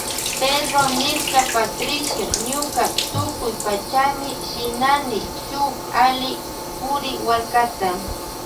Pedró niyrka Patricio ñuka tukuypachami shinani shuk alli kuriwallkata.